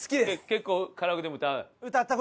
結構カラオケでも歌う？